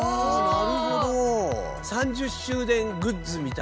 なるほど。